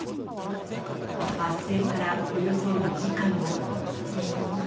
発生からおよそ２時間後。